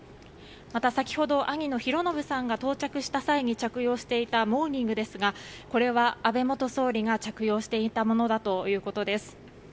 また先ほど兄の寛信さんが到着した際に着用していたモーニングですがこれは安倍元総理が着用していたものだということです。